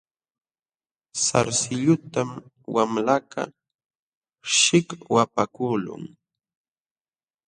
Sarsilluntam wamlakaq shikwapakuqlun.